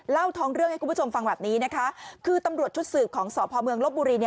ท้องเรื่องให้คุณผู้ชมฟังแบบนี้นะคะคือตำรวจชุดสืบของสพเมืองลบบุรี